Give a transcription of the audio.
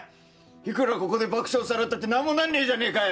いくらここで爆笑されたって何にもなんないじゃねぇかよ。